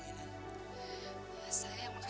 saya makasih banyak pak